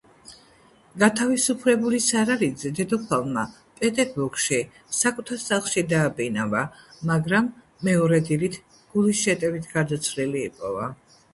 გათავისუფლებული სარალიძე დედოფალმა პეტერბურგში საკუთარ სახლში დააბინავა, მაგრამ მეორე დილით გულის შეტევით გარდაცვლილი იპოვა.